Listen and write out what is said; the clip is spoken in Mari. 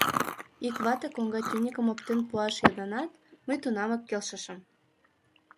Ик вате коҥга тӱньыкым оптен пуаш йодынат, мый тунамак келшышым.